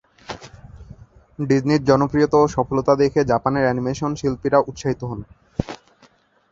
ডিজনির জনপ্রিয়তা ও সফলতা দেখে জাপানের অ্যানিমেশন শিল্পীরা উৎসাহিত হন।